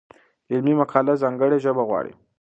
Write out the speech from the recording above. علمي مقاله ځانګړې ژبه غواړي.